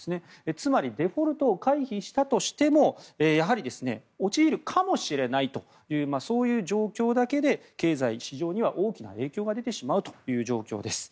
つまりデフォルトを回避したとしてもやはり、陥るかもしれないというそういう状況だけで経済、市場には大きな影響が出てしまうという状況です。